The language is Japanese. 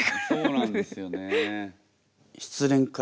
そうなんですよね。